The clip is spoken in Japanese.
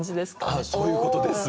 あっそういうことですよ！